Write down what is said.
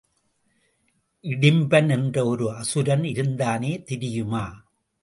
இடிம்பன் என்ற ஒரு அசுரன் இருந்தானே தெரியுமா?